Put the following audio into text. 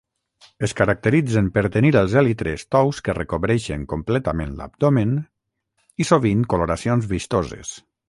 Es caracteritzen per tenir els èlitres tous que recobreixen completament l'abdomen i sovint coloracions vistoses.